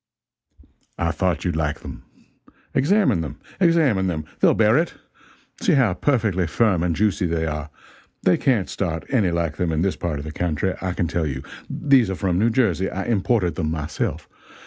"I thought you'd like them. Examine them examine them they'll bear it. See how perfectly firm and juicy they are they can't start any like them in this part of the country, I can tell you. These are from New Jersey I imported them myself.